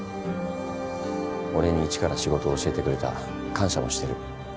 俺に一から仕事を教えてくれた感謝もしてる。